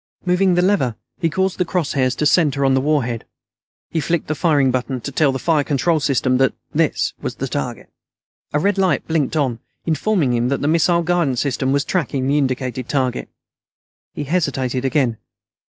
Moving the lever, he caused the cross hairs to center on the warhead. He flicked the firing button, to tell the fire control system that this was the target. A red light blinked on, informing him that the missile guidance system was tracking the indicated target. He hesitated again.